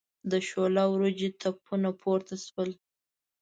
د شوله وریجو تپونه پورته شول.